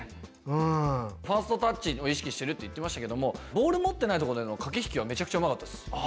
ファーストタッチを意識してるって言ってましたけどもボール持ってないとこでの駆け引きはめちゃくちゃうまかったっす。